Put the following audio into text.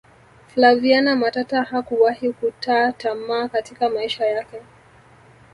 flaviana matata hakuwahi kutaa tamaa katika maisha yake